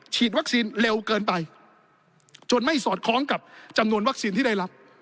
วัคซีนเร็วเกินไปจนไม่สอดคล้องกับจำนวนวัคซีนที่ได้รับ